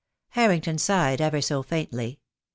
Harrington sighed ever so faintly.